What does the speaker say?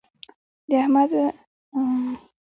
د احمد له خوټو اورلګيت لګېږي.